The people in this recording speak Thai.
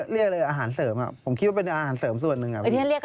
เรียกเลยอาหารเสริมผมคิดว่าเป็นอาหารเสริมส่วนหนึ่ง